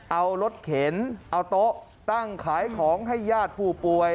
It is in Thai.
เอารถเข็นเอาโต๊ะตั้งขายของให้ญาติผู้ป่วย